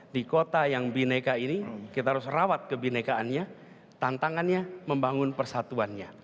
di kota yang bineka ini kita harus rawat kebinekaannya tantangannya membangun persatuannya